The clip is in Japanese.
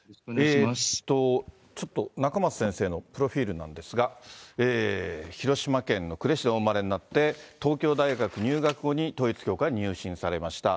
ちょっと仲正先生のプロフィールなんですが、広島県の呉市でお生まれになって、東京大学入学後に統一教会に入信されました。